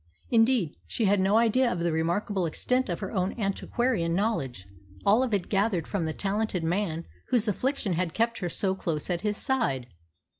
Indeed, she had no idea of the remarkable extent of her own antiquarian knowledge, all of it gathered from the talented man whose affliction had kept her so close at his side.